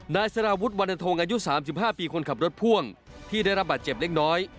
นายสารวุฒิวรรณฑงอายุ๓๕ปีคนขับรถพ่วงที่ได้รับบาดเจ็บเล็กน้อย